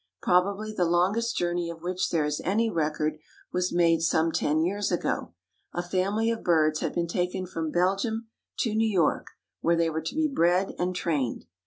Probably the longest journey of which there is any record was made some ten years ago. A family of birds had been taken from Belgium to New York, where they were to be bred and trained.